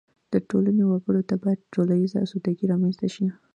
د ټولنې وګړو ته باید ټولیزه اسودګي رامنځته شي.